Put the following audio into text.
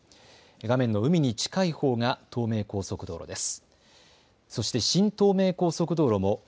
画面の海に近いほうが東名高速道路です。